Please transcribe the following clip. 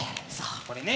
これね。